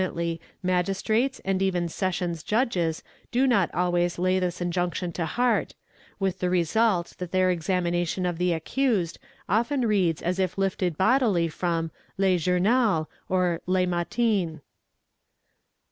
5 Unfortunately Magistrates and even Sessions Judges do not always lay this injunction to heart, with the result that their examination of the accused often reads as if lifted bodily from Le Journal or Le Matin. 10.